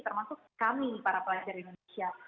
termasuk kami para pelajar indonesia